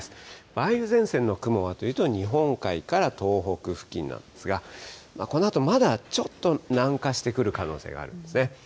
梅雨前線の雲はというと、日本海から東北付近なんですが、このあと、まだちょっと南下してくる可能性があるんですね。